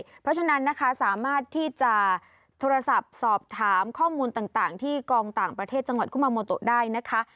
เพราะฉะนั้นนะคะสามารถที่จะโทรศัพท์สอบถามข้อมูลต่างที่กองต่างประเทศจังหวัดกุมาโมโตได้นะคะ